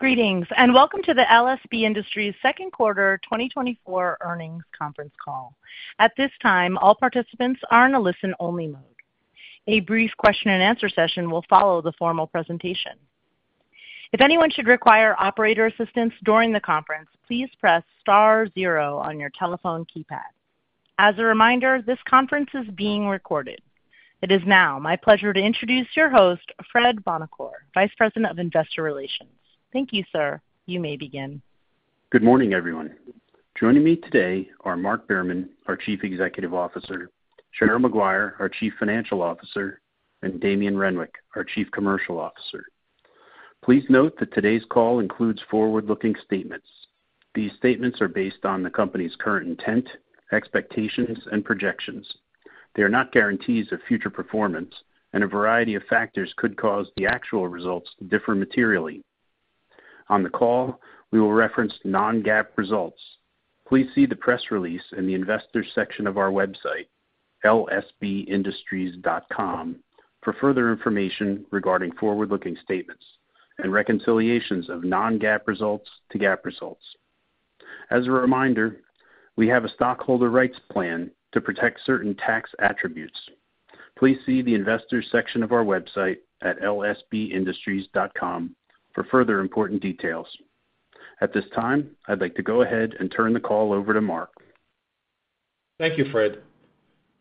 Greetings, and welcome to the LSB Industries second quarter 2024 earnings conference call. At this time, all participants are in a listen-only mode. A brief question and answer session will follow the formal presentation. If anyone should require operator assistance during the conference, please press star zero on your telephone keypad. As a reminder, this conference is being recorded. It is now my pleasure to introduce your host, Fred Buonocore, Vice President of Investor Relations. Thank you, sir. You may begin. Good morning, everyone. Joining me today are Mark Behrman, our Chief Executive Officer, Cheryl Maguire, our Chief Financial Officer, and Damien Renwick, our Chief Commercial Officer. Please note that today's call includes forward-looking statements. These statements are based on the company's current intent, expectations, and projections. They are not guarantees of future performance, and a variety of factors could cause the actual results to differ materially. On the call, we will reference non-GAAP results. Please see the press release in the Investors section of our website, lsbindustries.com, for further information regarding forward-looking statements and reconciliations of non-GAAP results to GAAP results. As a reminder, we have a stockholder rights plan to protect certain tax attributes. Please see the Investors section of our website at lsbindustries.com for further important details. At this time, I'd like to go ahead and turn the call over to Mark. Thank you, Fred.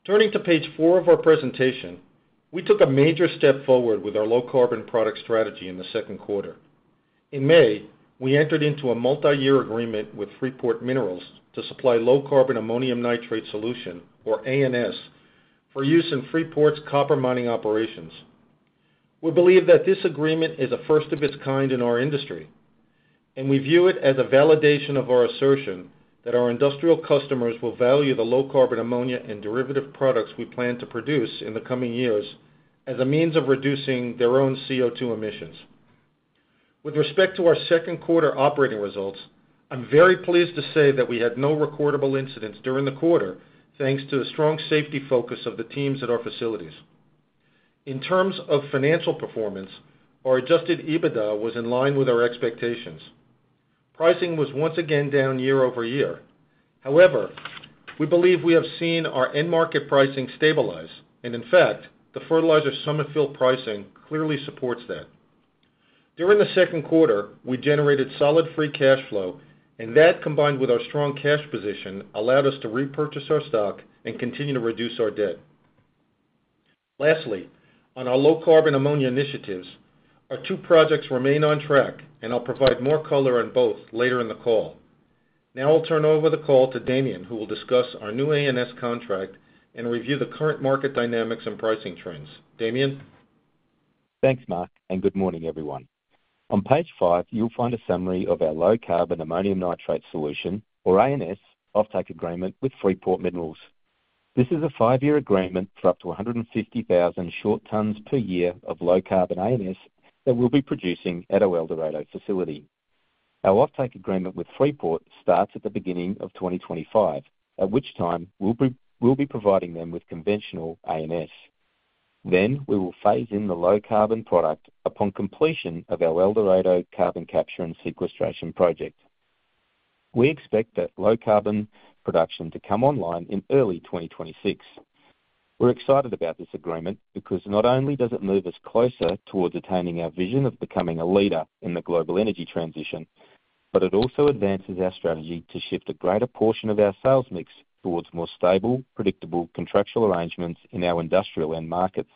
Turning to page four of our presentation, we took a major step forward with our low-carbon product strategy in the second quarter. In May, we entered into a multi-year agreement with Freeport Minerals to supply low-carbon ammonium nitrate solution, or ANS, for use in Freeport's copper mining operations. We believe that this agreement is the first of its kind in our industry, and we view it as a validation of our assertion that our industrial customers will value the low-carbon ammonia and derivative products we plan to produce in the coming years as a means of reducing their own CO2 emissions. With respect to our second quarter operating results, I'm very pleased to say that we had no recordable incidents during the quarter, thanks to the strong safety focus of the teams at our facilities. In terms of financial performance, our adjusted EBITDA was in line with our expectations. Pricing was once again down year-over-year. However, we believe we have seen our end market pricing stabilize, and in fact, the fertilizer summer fill pricing clearly supports that. During the second quarter, we generated solid free cash flow, and that, combined with our strong cash position, allowed us to repurchase our stock and continue to reduce our debt. Lastly, on our low-carbon ammonia initiatives, our two projects remain on track, and I'll provide more color on both later in the call. Now I'll turn over the call to Damien, who will discuss our new ANS contract and review the current market dynamics and pricing trends. Damien? Thanks, Mark, and good morning, everyone. On page five, you'll find a summary of our low-carbon ammonium nitrate solution, or ANS, offtake agreement with Freeport Minerals. This is a 5-year agreement for up to 150,000 short tons per year of low-carbon ANS that we'll be producing at our El Dorado facility. Our offtake agreement with Freeport starts at the beginning of 2025, at which time we'll be providing them with conventional ANS. Then, we will phase in the low-carbon product upon completion of our El Dorado carbon capture and sequestration project. We expect that low-carbon production to come online in early 2026. We're excited about this agreement because not only does it move us closer towards attaining our vision of becoming a leader in the global energy transition, but it also advances our strategy to shift a greater portion of our sales mix towards more stable, predictable, contractual arrangements in our industrial end markets,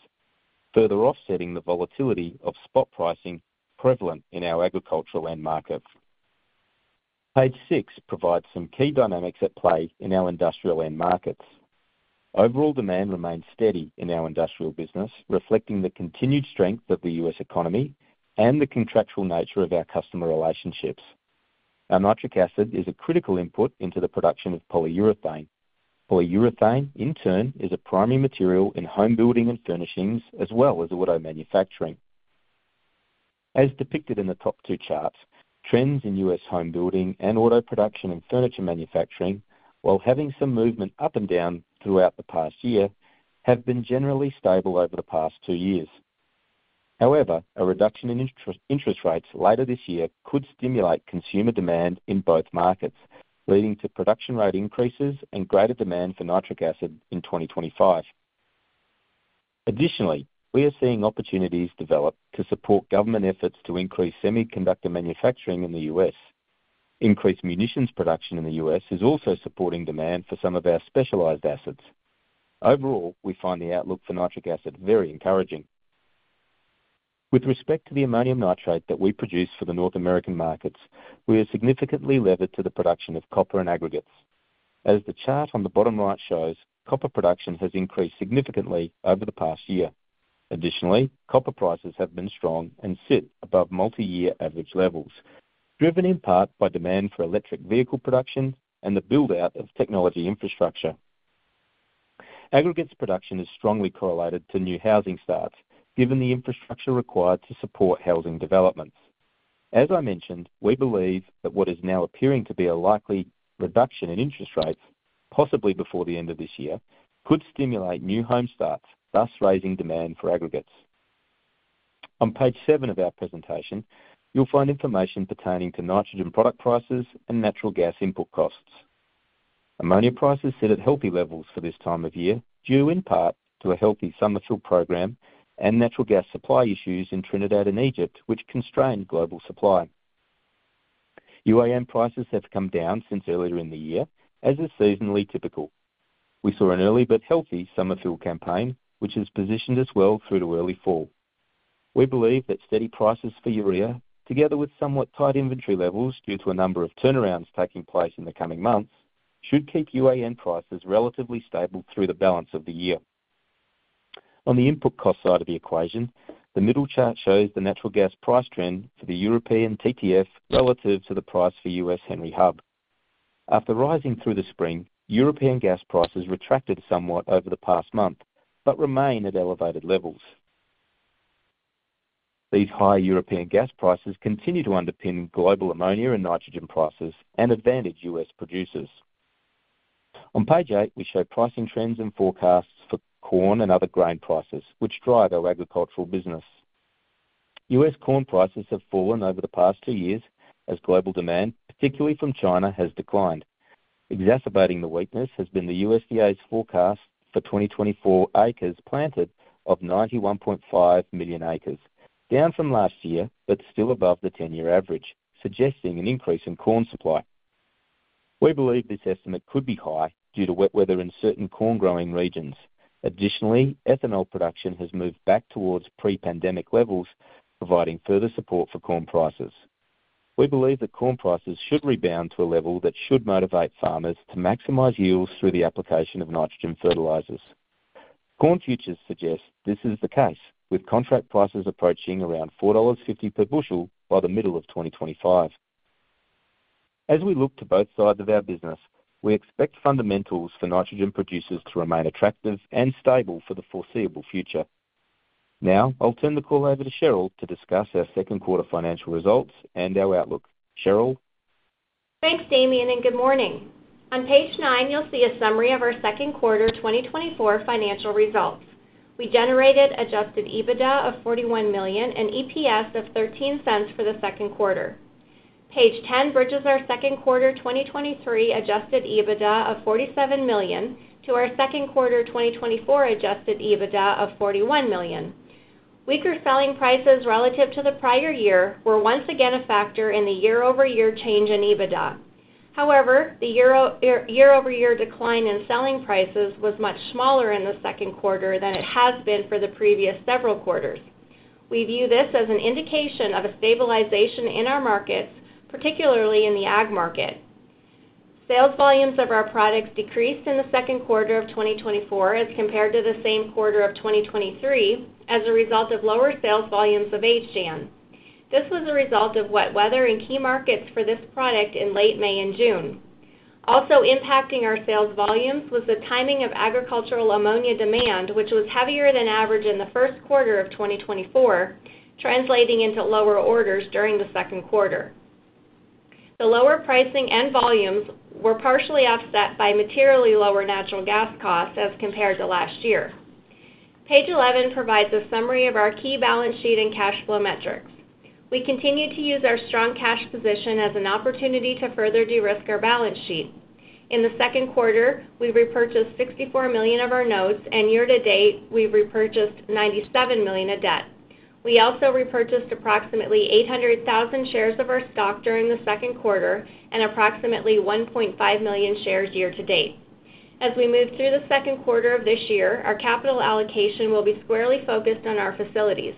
further offsetting the volatility of spot pricing prevalent in our agricultural end markets. Page six provides some key dynamics at play in our industrial end markets. Overall demand remains steady in our industrial business, reflecting the continued strength of the U.S. economy and the contractual nature of our customer relationships. Our nitric acid is a critical input into the production of polyurethane. Polyurethane, in turn, is a primary material in home building and furnishings, as well as auto manufacturing. As depicted in the top two charts, trends in U.S. home building and auto production and furniture manufacturing, while having some movement up and down throughout the past year, have been generally stable over the past two years. However, a reduction in interest rates later this year could stimulate consumer demand in both markets, leading to production rate increases and greater demand for nitric acid in 2025. Additionally, we are seeing opportunities develop to support government efforts to increase semiconductor manufacturing in the U.S. Increased munitions production in the U.S. is also supporting demand for some of our specialized assets. Overall, we find the outlook for nitric acid very encouraging. With respect to the ammonium nitrate that we produce for the North American markets, we are significantly levered to the production of copper and aggregates. As the chart on the bottom right shows, copper production has increased significantly over the past year. Additionally, copper prices have been strong and sit above multi-year average levels, driven in part by demand for electric vehicle production and the build-out of technology infrastructure. Aggregates production is strongly correlated to new housing starts, given the infrastructure required to support housing developments. As I mentioned, we believe that what is now appearing to be a likely reduction in interest rates, possibly before the end of this year, could stimulate new home starts, thus raising demand for aggregates. On page seven of our presentation, you'll find information pertaining to nitrogen product prices and natural gas input costs. Ammonia prices sit at healthy levels for this time of year, due in part to a healthy summer fill program and natural gas supply issues in Trinidad and Egypt, which constrain global supply. UAN prices have come down since earlier in the year, as is seasonally typical. We saw an early but healthy summer fill campaign, which has positioned us well through to early fall. We believe that steady prices for urea, together with somewhat tight inventory levels due to a number of turnarounds taking place in the coming months, should keep UAN prices relatively stable through the balance of the year. On the input cost side of the equation, the middle chart shows the natural gas price trend for the European TTF relative to the price for U.S. Henry Hub. After rising through the spring, European gas prices retracted somewhat over the past month, but remain at elevated levels. These high European gas prices continue to underpin global ammonia and nitrogen prices and advantage U.S. producers. On page eight, we show pricing trends and forecasts for corn and other grain prices, which drive our agricultural business. U.S. corn prices have fallen over the past two years as global demand, particularly from China, has declined. Exacerbating the weakness has been the USDA's forecast for 2024 acres planted of 91.5 million acres, down from last year, but still above the 10-year average, suggesting an increase in corn supply. We believe this estimate could be high due to wet weather in certain corn-growing regions. Additionally, ethanol production has moved back towards pre-pandemic levels, providing further support for corn prices. We believe that corn prices should rebound to a level that should motivate farmers to maximize yields through the application of nitrogen fertilizers. Corn futures suggest this is the case, with contract prices approaching around $4.50 per bushel by the middle of 2025. As we look to both sides of our business, we expect fundamentals for nitrogen producers to remain attractive and stable for the foreseeable future. Now, I'll turn the call over to Cheryl to discuss our second quarter financial results and our outlook. Cheryl? Thanks, Damien, and good morning. On page nine, you'll see a summary of our second quarter 2024 financial results. We generated adjusted EBITDA of $41 million and EPS of $0.13 for the second quarter. Page 10 bridges our second quarter 2023 adjusted EBITDA of $47 million to our second quarter 2024 adjusted EBITDA of $41 million. Weaker selling prices relative to the prior year were once again a factor in the year-over-year change in EBITDA. However, the year-over-year decline in selling prices was much smaller in the second quarter than it has been for the previous several quarters. We view this as an indication of a stabilization in our markets, particularly in the ag market. Sales volumes of our products decreased in the second quarter of 2024 as compared to the same quarter of 2023, as a result of lower sales volumes of HDAN. This was a result of wet weather in key markets for this product in late May and June. Also impacting our sales volumes was the timing of agricultural ammonia demand, which was heavier than average in the first quarter of 2024, translating into lower orders during the second quarter. The lower pricing and volumes were partially offset by materially lower natural gas costs as compared to last year. Page 11 provides a summary of our key balance sheet and cash flow metrics. We continue to use our strong cash position as an opportunity to further de-risk our balance sheet. In the second quarter, we repurchased $64 million of our notes, and year to date, we've repurchased $97 million of debt. We also repurchased approximately 800,000 shares of our stock during the second quarter and approximately 1.5 million shares year to date. As we move through the second quarter of this year, our capital allocation will be squarely focused on our facilities.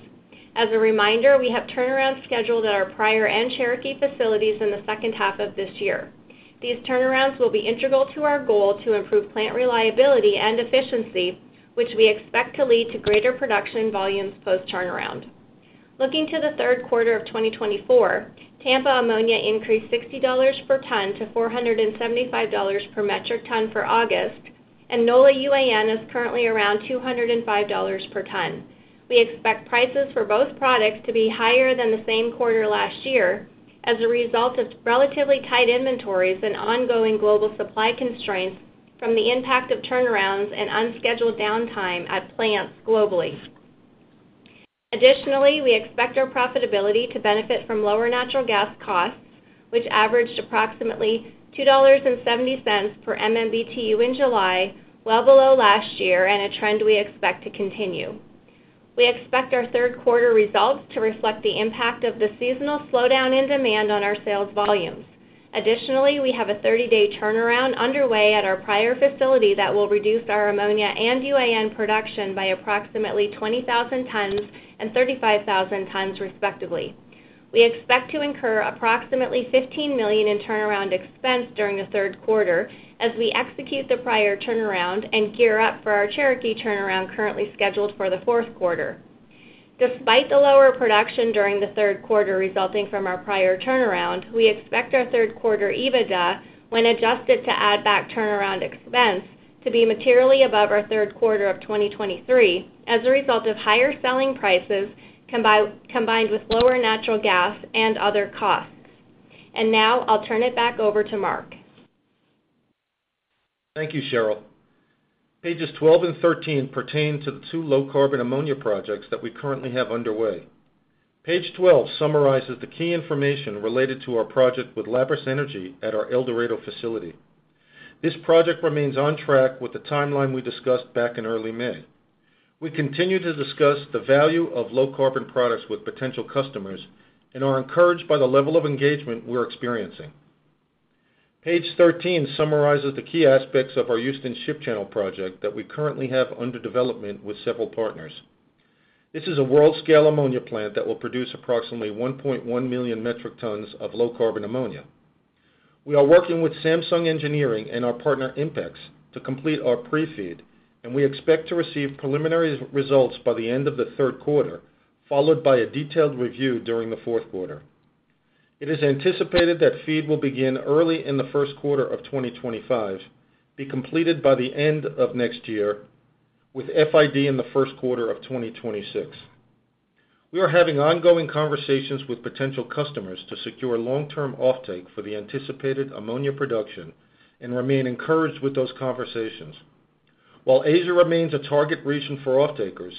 As a reminder, we have turnarounds scheduled at our Pryor and Cherokee facilities in the second half of this year. These turnarounds will be integral to our goal to improve plant reliability and efficiency, which we expect to lead to greater production volumes post-turnaround. Looking to the third quarter of 2024, Tampa ammonia increased $60 per ton to $475 per metric ton for August, and NOLA UAN is currently around $205 per ton. We expect prices for both products to be higher than the same quarter last year as a result of relatively tight inventories and ongoing global supply constraints from the impact of turnarounds and unscheduled downtime at plants globally. Additionally, we expect our profitability to benefit from lower natural gas costs, which averaged approximately $2.70 per MMBTU in July, well below last year, and a trend we expect to continue. We expect our third quarter results to reflect the impact of the seasonal slowdown in demand on our sales volumes. Additionally, we have a 30-day turnaround underway at our Pryor facility that will reduce our ammonia and UAN production by approximately 20,000 tons and 35,000 tons, respectively. We expect to incur approximately $15 million in turnaround expense during the third quarter as we execute the Pryor turnaround and gear up for our Cherokee turnaround, currently scheduled for the fourth quarter. Despite the lower production during the third quarter resulting from our Pryor turnaround, we expect our third quarter EBITDA, when adjusted to add back turnaround expense to be materially above our third quarter of 2023, as a result of higher selling prices, combined, combined with lower natural gas and other costs. And now I'll turn it back over to Mark. Thank you, Cheryl. Pages 12 and 13 pertain to the two low carbon ammonia projects that we currently have underway. Page 12 summarizes the key information related to our project with Lapis Energy at our El Dorado facility. This project remains on track with the timeline we discussed back in early May. We continue to discuss the value of low carbon products with potential customers and are encouraged by the level of engagement we're experiencing. Page 13 summarizes the key aspects of our Houston Ship Channel project that we currently have under development with several partners. This is a world-scale ammonia plant that will produce approximately 1.1 million metric tons of low carbon ammonia. We are working with Samsung Engineering and our partner, INPEX, to complete our pre-FEED, and we expect to receive preliminary results by the end of the third quarter, followed by a detailed review during the fourth quarter. It is anticipated that feed will begin early in the first quarter of 2025, be completed by the end of next year, with FID in the first quarter of 2026. We are having ongoing conversations with potential customers to secure long-term offtake for the anticipated ammonia production and remain encouraged with those conversations. While Asia remains a target region for offtakers,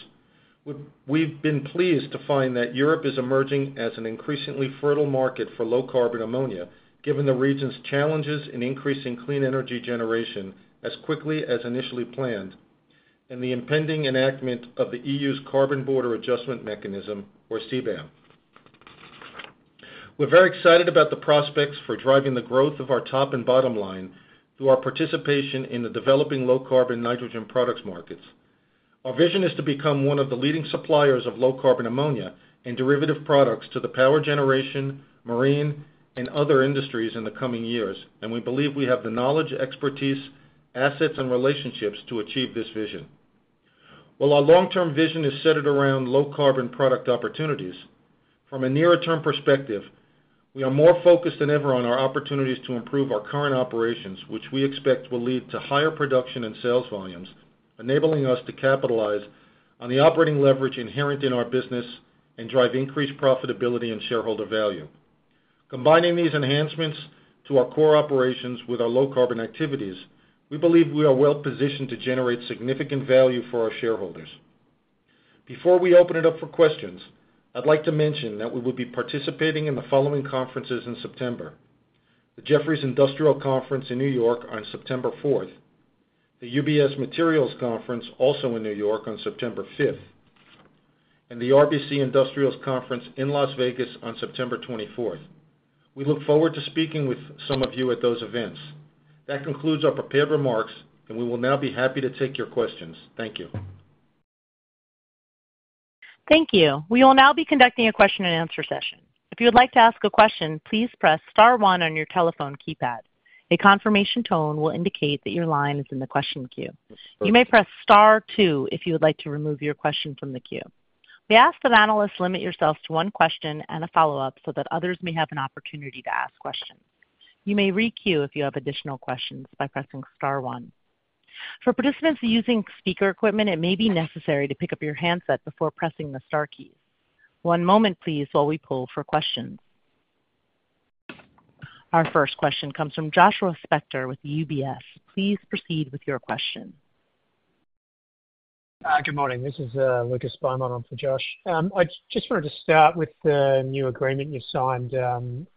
we've been pleased to find that Europe is emerging as an increasingly fertile market for low carbon ammonia, given the region's challenges in increasing clean energy generation as quickly as initially planned, and the impending enactment of the EU's Carbon Border Adjustment Mechanism, or CBAM. We're very excited about the prospects for driving the growth of our top and bottom line through our participation in the developing low carbon nitrogen products markets. Our vision is to become one of the leading suppliers of low carbon ammonia and derivative products to the power generation, marine, and other industries in the coming years, and we believe we have the knowledge, expertise, assets, and relationships to achieve this vision. While our long-term vision is centered around low carbon product opportunities, from a nearer-term perspective, we are more focused than ever on our opportunities to improve our current operations, which we expect will lead to higher production and sales volumes, enabling us to capitalize on the operating leverage inherent in our business and drive increased profitability and shareholder value. Combining these enhancements to our core operations with our low carbon activities, we believe we are well positioned to generate significant value for our shareholders. Before we open it up for questions, I'd like to mention that we will be participating in the following conferences in September: the Jefferies Industrial Conference in New York on September 4th, the UBS Materials Conference, also in New York, on September 5th, and the RBC Industrials Conference in Las Vegas on September 24th. We look forward to speaking with some of you at those events. That concludes our prepared remarks, and we will now be happy to take your questions. Thank you. Thank you. We will now be conducting a question-and-answer session. If you would like to ask a question, please press star one on your telephone keypad. A confirmation tone will indicate that your line is in the question queue. You may press star two if you would like to remove your question from the queue. We ask that analysts limit yourselves to one question and a follow-up so that others may have an opportunity to ask questions. You may re-queue if you have additional questions by pressing star one. For participants using speaker equipment, it may be necessary to pick up your handset before pressing the star keys. One moment, please, while we pull for questions. Our first question comes from Joshua Spector with UBS. Please proceed with your question. Good morning. This is, Lucas Beaumont on for Josh. I just wanted to start with the new agreement you signed,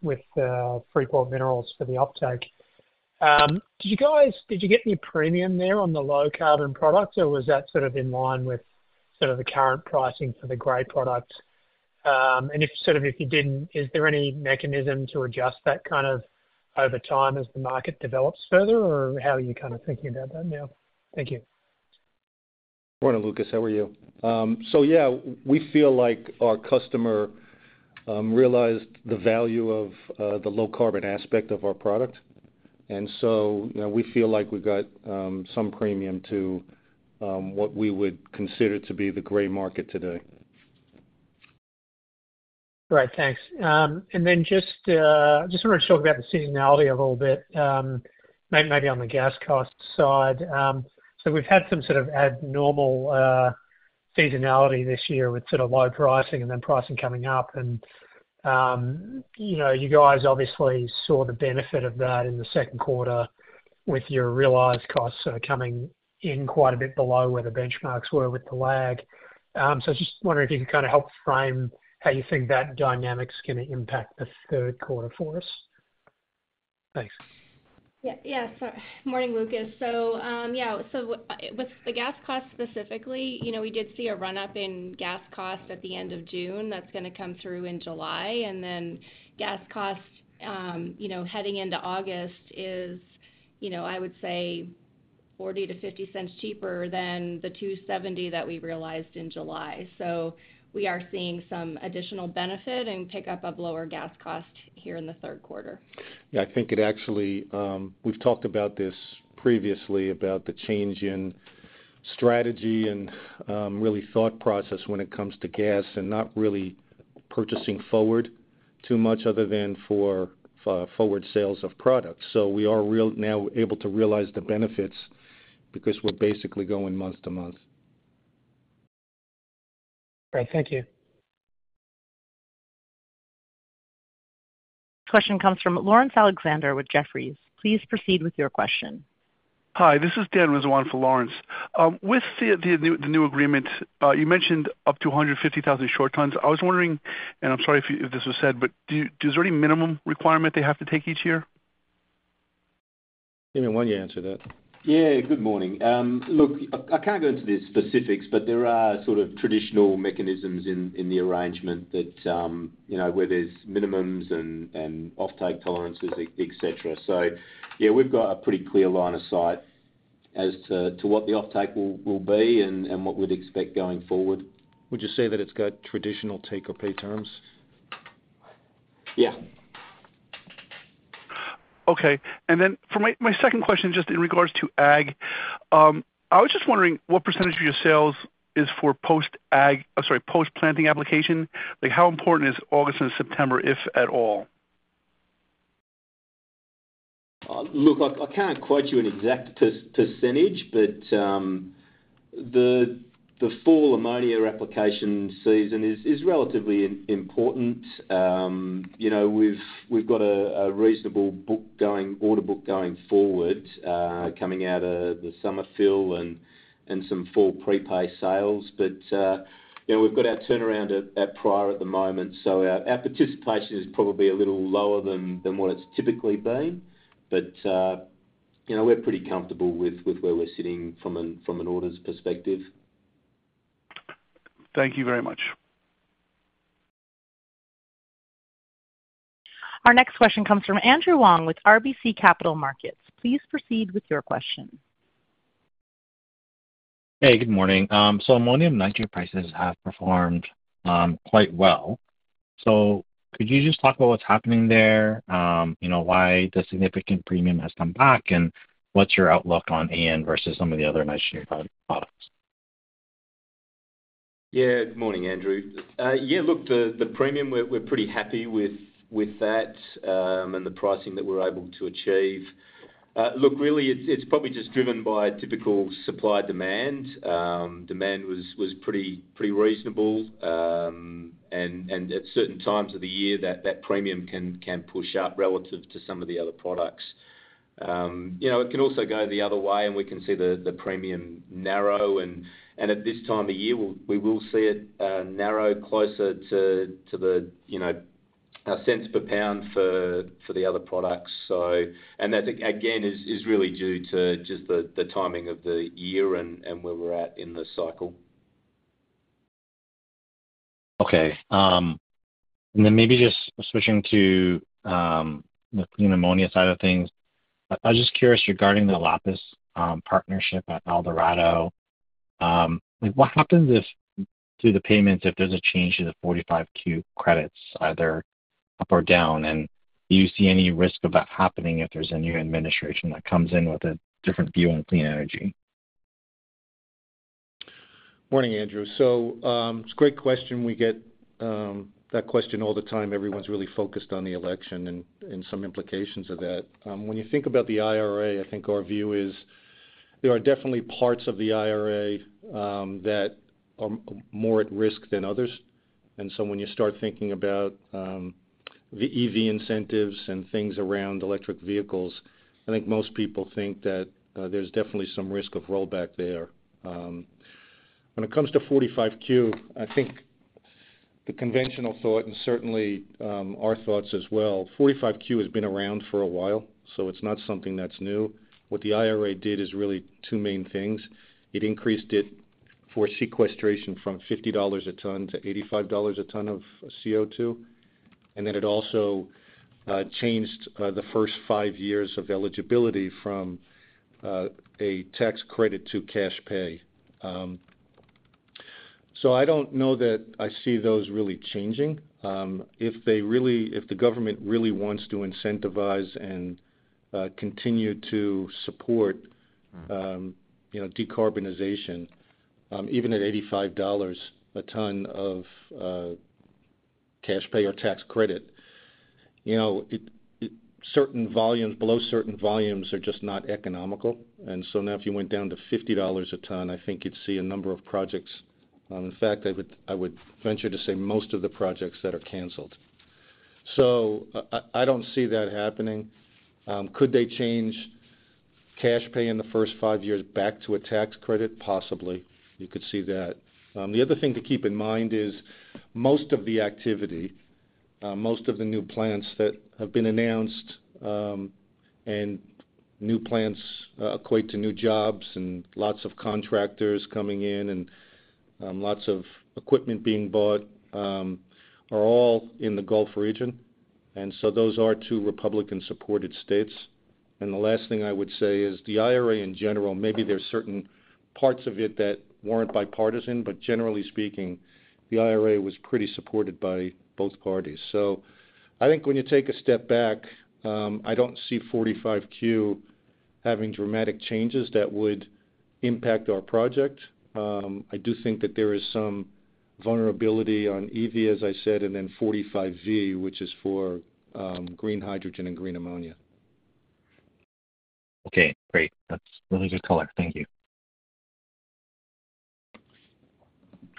with, Freeport Minerals for the offtake. Did you guys, did you get any premium there on the low carbon product, or was that sort of in line with sort of the current pricing for the gray product? And if, sort of, if you didn't, is there any mechanism to adjust that kind of over time as the market develops further, or how are you kind of thinking about that now? Thank you. Morning, Lucas, how are you? So yeah, we feel like our customer realized the value of the low carbon aspect of our product. And so, you know, we feel like we got some premium to what we would consider to be the gray market today. Great. Thanks. And then just, just wanted to talk about the seasonality a little bit, maybe on the gas cost side. So we've had some sort of abnormal seasonality this year with sort of low pricing and then pricing coming up. And, you know, you guys obviously saw the benefit of that in the second quarter with your realized costs sort of coming in quite a bit below where the benchmarks were with the lag. So just wondering if you could kind of help frame how you think that dynamic is gonna impact the third quarter for us? Thanks. Yeah. Yeah. So morning, Lucas. So, yeah, so with the gas costs specifically, you know, we did see a run-up in gas costs at the end of June. That's gonna come through in July. And then gas costs, you know, heading into August is, you know, I would say $0.40-$0.50 cheaper than the $2.70 that we realized in July. So we are seeing some additional benefit and pickup of lower gas cost here in the third quarter. Yeah, I think it actually, we've talked about this previously, about the change in strategy and really thought process when it comes to gas and not really purchasing forward too much other than for forward sales of products. So we are now able to realize the benefits because we're basically going month to month. Great. Thank you. Question comes from Lawrence Alexander with Jefferies. Please proceed with your question. Hi, this is Dan Rizwan for Lawrence. With the new agreement, you mentioned up to 150,000 short tons. I was wondering, and I'm sorry if this was said, but is there any minimum requirement they have to take each year? Damien, why don't you answer that? Yeah, good morning. Look, I can't go into the specifics, but there are sort of traditional mechanisms in the arrangement that, you know, where there's minimums and offtake tolerances, et cetera. So yeah, we've got a pretty clear line of sight as to what the offtake will be and what we'd expect going forward. Would you say that it's got traditional take or pay terms? Yeah. Okay. And then for my second question, just in regards to ag, I was just wondering what percentage of your sales is for post-planting application? Like, how important is August and September, if at all? Look, I can't quote you an exact percentage, but the fall ammonia application season is relatively important. You know, we've got a reasonable book going, order book going forward, coming out of the summer fill and some full prepay sales. But you know, we've got our turnaround at Pryor at the moment, so our participation is probably a little lower than what it's typically been. But you know, we're pretty comfortable with where we're sitting from an orders perspective. Thank you very much. Our next question comes from Andrew Wong with RBC Capital Markets. Please proceed with your question. Hey, good morning. So ammonium nitrate prices have performed quite well. So could you just talk about what's happening there? You know, why the significant premium has come back, and what's your outlook on AN versus some of the other nitrogen products? Yeah. Good morning, Andrew. Yeah, look, the premium, we're pretty happy with that and the pricing that we're able to achieve. Look, really, it's probably just driven by typical supply-demand. Demand was pretty reasonable. And at certain times of the year, that premium can push up relative to some of the other products. You know, it can also go the other way, and we can see the premium narrow. And at this time of the year, we will see it narrow closer to the, you know, cents per pound for the other products. So... And that, again, is really due to just the timing of the year and where we're at in the cycle. Okay, and then maybe just switching to the clean ammonia side of things. I was just curious regarding the Lapis partnership at El Dorado, like, what happens to the payments if there's a change in the 45Q credits, either up or down? And do you see any risk of that happening if there's a new administration that comes in with a different view on clean energy? Morning, Andrew. So, it's a great question. We get that question all the time. Everyone's really focused on the election and some implications of that. When you think about the IRA, I think our view is there are definitely parts of the IRA that are more at risk than others. And so when you start thinking about the EV incentives and things around electric vehicles, I think most people think that there's definitely some risk of rollback there. When it comes to 45Q, I think the conventional thought and certainly our thoughts as well, 45Q has been around for a while, so it's not something that's new. What the IRA did is really two main things: It increased it for sequestration from $50 a ton to $85 a ton of CO2, and then it also changed the first five years of eligibility from a tax credit to cash pay. So I don't know that I see those really changing. If the government really wants to incentivize and continue to support. Mm-hmm. You know, decarbonization, even at $85 a ton of cash pay or tax credit, you know, certain volumes below certain volumes are just not economical. And so now, if you went down to $50 a ton, I think you'd see a number of projects... in fact, I would venture to say most of the projects that are canceled. So I don't see that happening. Could they change cash pay in the first five years back to a tax credit? Possibly, you could see that. The other thing to keep in mind is most of the activity, most of the new plants that have been announced, and new plants, equate to new jobs and lots of contractors coming in and, lots of equipment being bought, are all in the Gulf region, and so those are two Republican-supported states. And the last thing I would say is the IRA, in general, maybe there are certain parts of it that weren't bipartisan, but generally speaking, the IRA was pretty supported by both parties. So I think when you take a step back, I don't see 45Q having dramatic changes that would impact our project. I do think that there is some vulnerability on EV, as I said, and then 45V, which is for, green hydrogen and green ammonia. Okay, great. That's really good color. Thank you.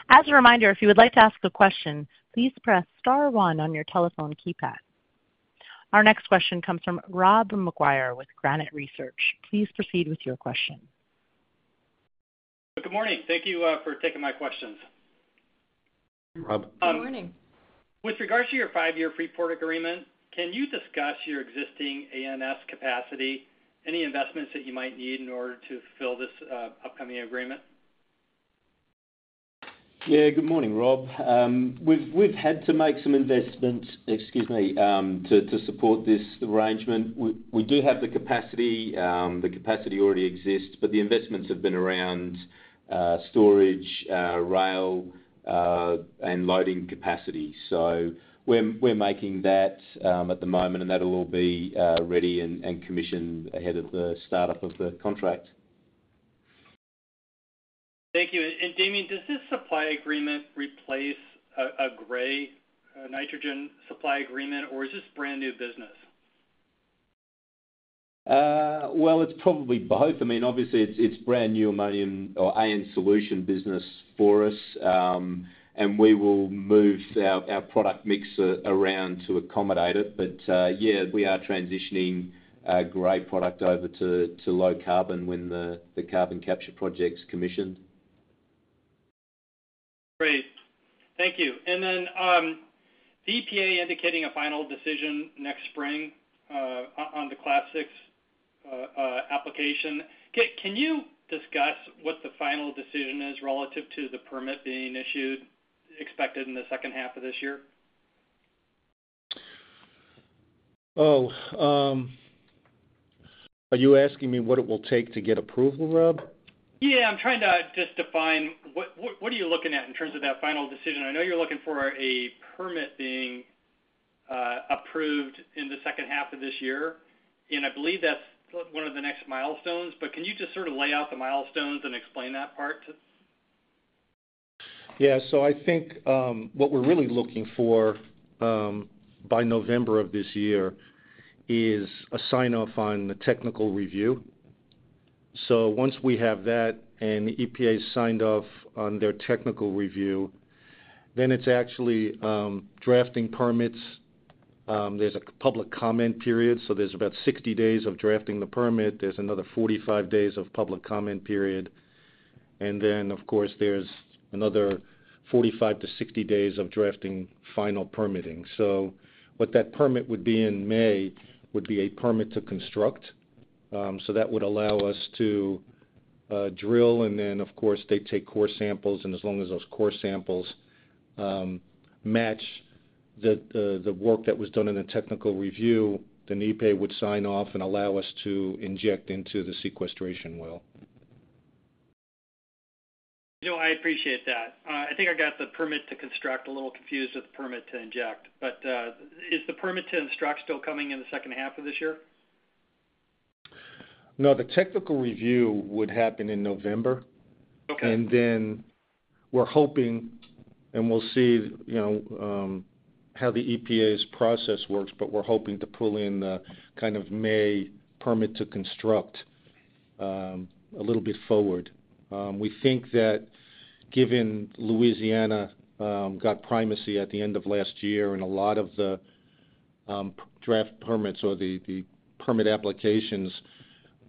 As a reminder, if you would like to ask a question, please press star one on your telephone keypad. Our next question comes from Rob Maguire with Granite Research. Please proceed with your question. Good morning. Thank you for taking my questions. Rob. Good morning. With regards to your five-year Freeport agreement, can you discuss your existing ANS capacity, any investments that you might need in order to fill this upcoming agreement? Yeah, good morning, Rob. We've had to make some investments, excuse me, to support this arrangement. We do have the capacity. The capacity already exists, but the investments have been around storage, rail, and loading capacity. So we're making that at the moment, and that'll all be ready and commissioned ahead of the startup of the contract. Thank you. And Damien, does this supply agreement replace a gray nitrogen supply agreement, or is this brand-new business? Well, it's probably both. I mean, obviously, it's brand-new ammonium or AN solution business for us, and we will move our product mix around to accommodate it. But, yeah, we are transitioning a gray product over to low carbon when the carbon capture project's commissioned. Great. Thank you. And then, the EPA indicating a final decision next spring, on the Class VI application. Can you discuss what the final decision is relative to the permit being issued, expected in the second half of this year? Oh, are you asking me what it will take to get approval, Rob? Yeah, I'm trying to just define what are you looking at in terms of that final decision? I know you're looking for a permit being approved in the second half of this year, and I believe that's one of the next milestones. But can you just sort of lay out the milestones and explain that part too? Yeah. So I think what we're really looking for by November of this year is a sign-off on the technical review. So once we have that, and the EPA signed off on their technical review, then it's actually drafting permits. There's a public comment period, so there's about 60 days of drafting the permit. There's another 45 days of public comment period. And then, of course, there's another 45-60 days of drafting final permitting. So what that permit would be in May would be a permit to construct. So that would allow us to drill, and then, of course, they take core samples, and as long as those core samples match the work that was done in the technical review, then EPA would sign off and allow us to inject into the sequestration well. No, I appreciate that. I think I got the permit to construct a little confused with the permit to inject. But, is the permit to construct still coming in the second half of this year? No, the technical review would happen in November. Okay. And then we're hoping, and we'll see, you know, how the EPA's process works, but we're hoping to pull in the kind of May permit to construct a little bit forward. We think that given Louisiana got primacy at the end of last year, and a lot of the draft permits or the permit applications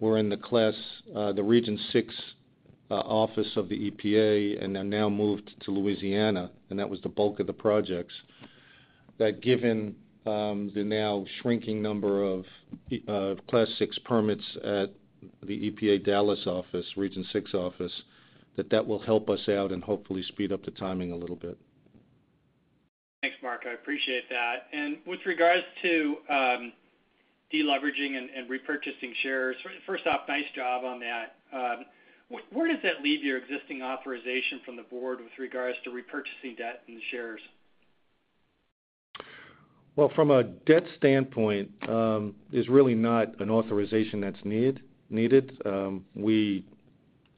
were in the Class VI, the Region VI office of the EPA, and are now moved to Louisiana, and that was the bulk of the projects. That given, the now shrinking number of Class VI permits at the EPA Dallas office, Region VI office, that that will help us out and hopefully speed up the timing a little bit. Thanks, Mark. I appreciate that. And with regards to deleveraging and repurchasing shares, first off, nice job on that. Where does that leave your existing authorization from the board with regards to repurchasing debt and shares? Well, from a debt standpoint, it's really not an authorization that's needed. We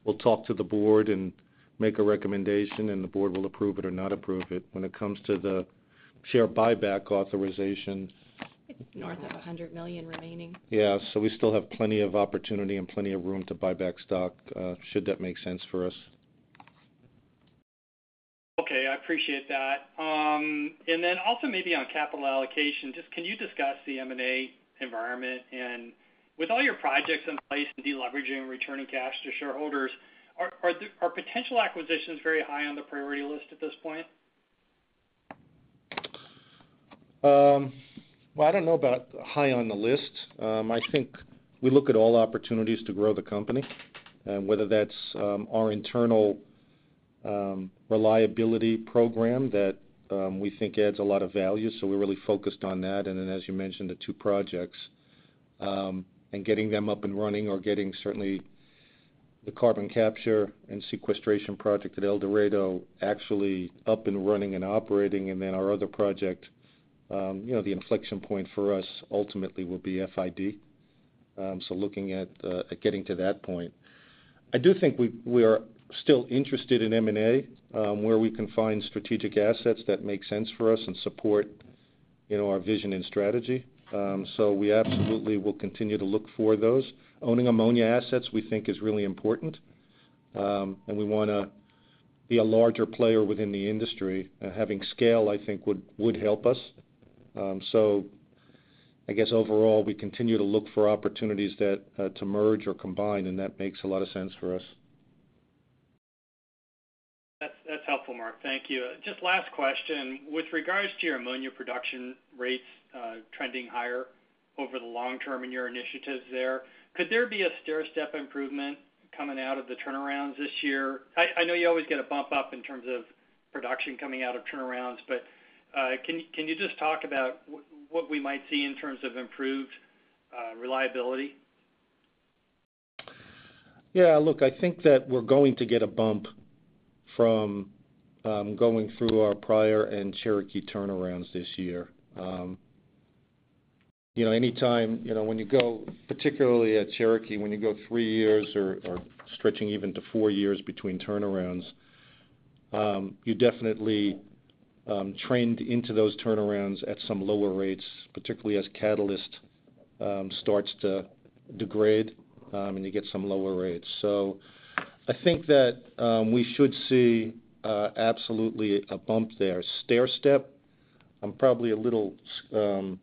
will talk to the board and make a recommendation, and the board will approve it or not approve it. When it comes to the share buyback authorization. North of $100 million remaining. Yeah, so we still have plenty of opportunity and plenty of room to buy back stock, should that make sense for us. Okay, I appreciate that. And then also maybe on capital allocation, just can you discuss the M&A environment? With all your projects in place and deleveraging and returning cash to shareholders, are the—are potential acquisitions very high on the priority list at this point? Well, I don't know about high on the list. I think we look at all opportunities to grow the company, and whether that's our internal reliability program that we think adds a lot of value, so we're really focused on that. And then, as you mentioned, the two projects and getting them up and running or getting certainly the carbon capture and sequestration project at El Dorado actually up and running and operating, and then our other project, you know, the inflection point for us ultimately will be FID. So looking at getting to that point. I do think we are still interested in M&A, where we can find strategic assets that make sense for us and support, you know, our vision and strategy. So we absolutely will continue to look for those. Owning ammonia assets, we think is really important, and we wanna be a larger player within the industry. Having scale, I think, would help us. So I guess overall, we continue to look for opportunities that to merge or combine, and that makes a lot of sense for us. That's helpful, Mark. Thank you. Just last question. With regards to your ammonia production rates, trending higher over the long term in your initiatives there, could there be a stair-step improvement coming out of the turnarounds this year? I know you always get a bump up in terms of production coming out of turnarounds, but, can you just talk about what we might see in terms of improved, reliability? Yeah, look, I think that we're going to get a bump from going through our Pryor and Cherokee turnarounds this year. You know, any time, you know, when you go, particularly at Cherokee, when you go three years or stretching even to four years between turnarounds, you definitely trained into those turnarounds at some lower rates, particularly as catalyst starts to degrade, and you get some lower rates. So I think that we should see absolutely a bump there. Stair-step, I'm probably a little, you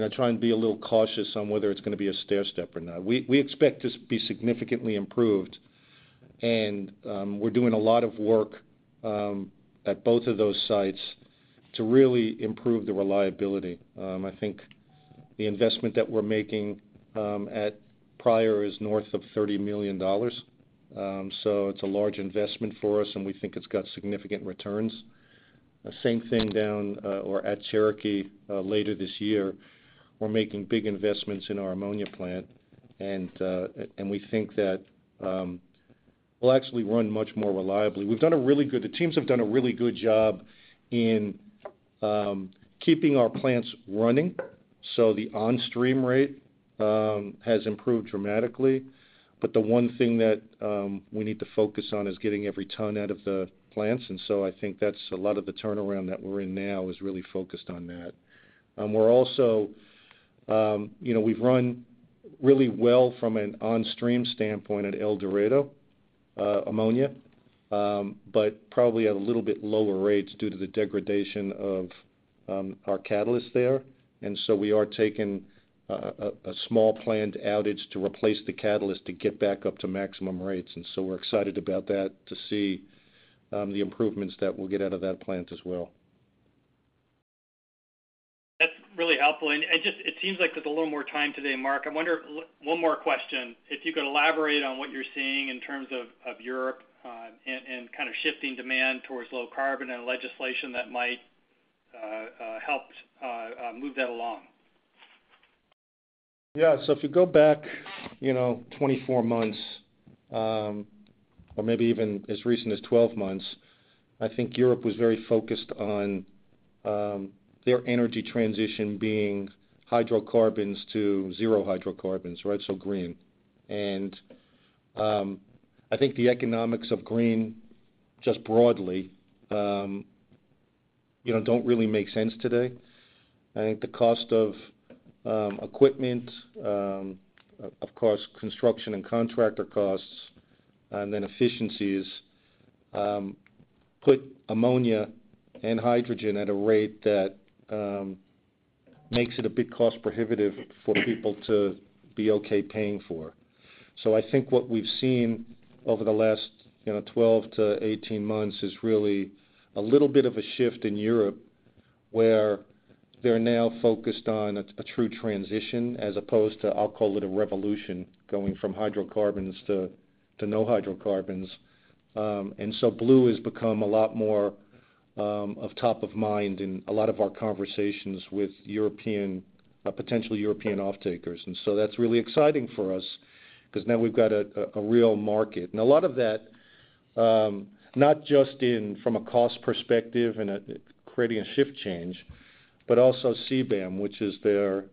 know, trying to be a little cautious on whether it's gonna be a stair-step or not. We expect to be significantly improved, and we're doing a lot of work at both of those sites to really improve the reliability. I think the investment that we're making at Pryor is north of $30 million. So it's a large investment for us, and we think it's got significant returns. The same thing down or at Cherokee later this year, we're making big investments in our ammonia plant, and and we think that we'll actually run much more reliably. We've done a really good—the teams have done a really good job in keeping our plants running, so the on-stream rate has improved dramatically. But the one thing that we need to focus on is getting every ton out of the plants, and so I think that's a lot of the turnaround that we're in now is really focused on that. We're also, you know, we've run really well from an on-stream standpoint at El Dorado ammonia, but probably at a little bit lower rates due to the degradation of our catalyst there. And so we are taking a small planned outage to replace the catalyst to get back up to maximum rates. And so we're excited about that, to see the improvements that we'll get out of that plant as well. That's really helpful. And it just it seems like there's a little more time today, Mark. I wonder, one more question. If you could elaborate on what you're seeing in terms of Europe, and kind of shifting demand towards low carbon and legislation that might help move that along. Yeah. So if you go back, you know, 24 months, or maybe even as recent as 12 months, I think Europe was very focused on, their energy transition being hydrocarbons to zero hydrocarbons, right? So green. And, I think the economics of green, just broadly, you know, don't really make sense today. I think the cost of, equipment, of course, construction and contractor costs, and then efficiencies, put ammonia and hydrogen at a rate that, makes it a bit cost prohibitive for people to be okay paying for. So I think what we've seen over the last, you know, 12-18 months is really a little bit of a shift in Europe, where they're now focused on a, a true transition, as opposed to, I'll call it a revolution, going from hydrocarbons to, to no hydrocarbons. And so blue has become a lot more of top of mind in a lot of our conversations with European potential European offtakers. And so that's really exciting for us because now we've got a real market. And a lot of that, not just in from a cost perspective and creating a shift change, but also CBAM, which is their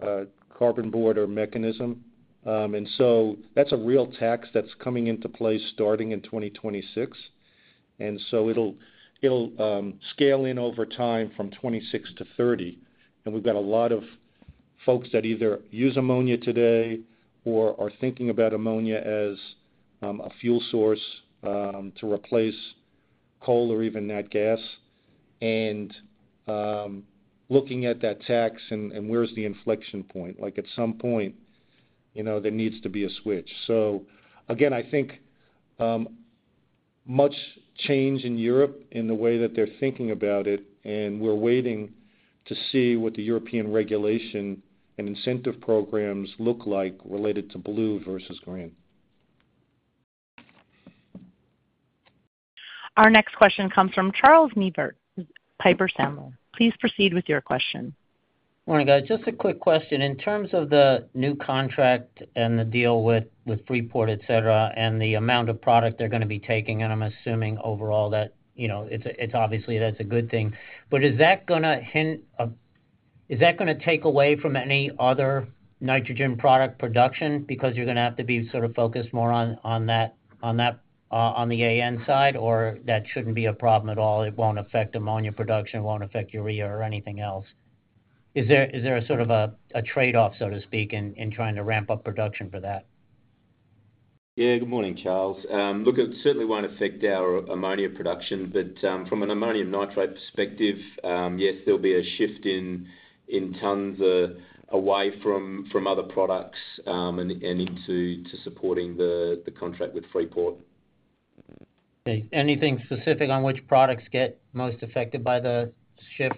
carbon border mechanism. And so that's a real tax that's coming into play starting in 2026. And so it'll scale in over time from 2026 to 2030, and we've got a lot of folks that either use ammonia today or are thinking about ammonia as a fuel source to replace coal or even nat gas. And looking at that tax and where's the inflection point? Like, at some point, you know, there needs to be a switch. So again, I think, much change in Europe in the way that they're thinking about it, and we're waiting to see what the European regulation and incentive programs look like related to blue versus green. Our next question comes from Charles Neivert with Piper Sandler. Please proceed with your question. Morning, guys. Just a quick question. In terms of the new contract and the deal with Freeport, et cetera, and the amount of product they're gonna be taking, and I'm assuming overall that, you know, it's obviously that's a good thing. But is that gonna hint? Is that gonna take away from any other nitrogen product production? Because you're gonna have to be sort of focused more on that, on the AN side, or that shouldn't be a problem at all, it won't affect ammonia production, it won't affect urea or anything else. Is there a sort of a trade-off, so to speak, in trying to ramp up production for that? Yeah, good morning, Charles. Look, it certainly won't affect our ammonia production, but from an ammonium nitrate perspective, yes, there'll be a shift in tons away from other products and into supporting the contract with Freeport. Okay. Anything specific on which products get most affected by the shift?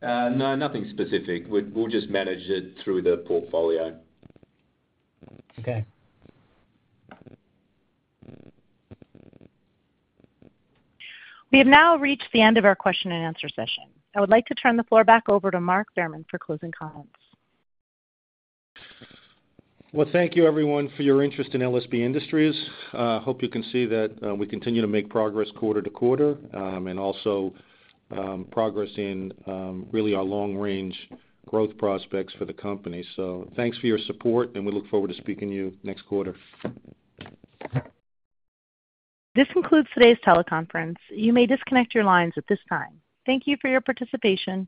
No, nothing specific. We'll just manage it through the portfolio. Okay. We have now reached the end of our question and answer session. I would like to turn the floor back over to Mark Behrman for closing comments. Well, thank you everyone for your interest in LSB Industries. I hope you can see that we continue to make progress quarter to quarter, and also progress in really our long-range growth prospects for the company. So thanks for your support, and we look forward to speaking to you next quarter. This concludes today's teleconference. You may disconnect your lines at this time. Thank you for your participation.